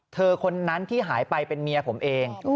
คนนั้นที่หายไปเป็นเมียผมเอง